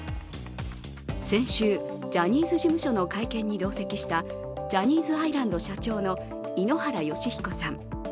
先週、ジャニーズ事務所の会見に同席したジャニーズアイランド社長の井ノ原快彦さん。